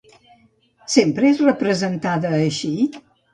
Sempre és representada així?